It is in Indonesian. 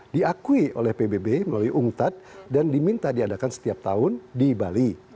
diakui oleh pbb melalui umtat dan diminta diadakan setiap tahun di bali